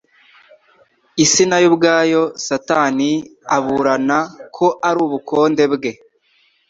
Isi nayo ubwayo Satani aburana ko ari ubukonde bwe,